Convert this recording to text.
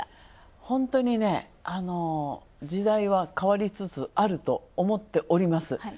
ほんとにね、時代は変わりつつあると思っております。